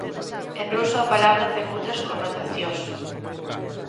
En ruso a palabra ten outras connotacións.